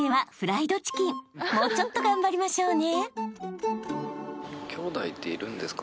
［もうちょっと頑張りましょうね］